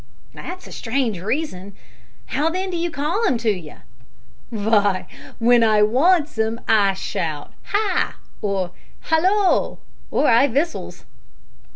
"That's a strange reason. How then do you call him to you?" "Vy, w'en I wants 'im I shouts `Hi,' or `Hallo,' or I vistles."